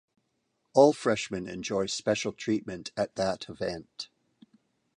All freshmen enjoy special treatment at that event.